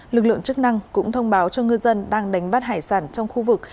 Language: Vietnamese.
lực lượng chức năng cũng thông báo cho ngư dân đang đánh bắt hải sản trong khu vực